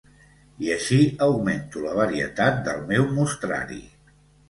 I així augmento la varietat del meu mostrari.